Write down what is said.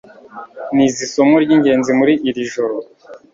Nize isomo ryingenzi muri iri joro.